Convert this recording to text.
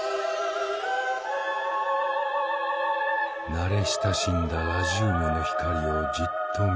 慣れ親しんだラジウムの光をじっと見つめ